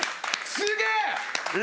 すげえ！